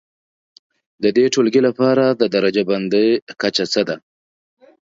د دې ټولګي لپاره د درجه بندي کچه څه ده؟